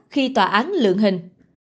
khi tòa án lượng hình